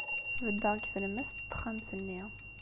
Beddeɣ deg tlemmast n texxamt-nni.